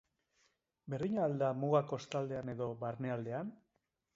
Berdina al da muga kostaldean edo barnealdean?